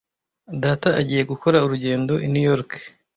Data agiye gukora urugendo i New York.